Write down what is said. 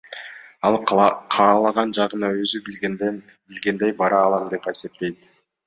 Ал каалаган жагына өзү билгендей бара алам деп эсептейт.